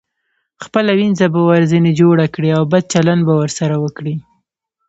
خپله وينځه به ورځنې جوړه کړئ او بد چلند به ورسره وکړئ.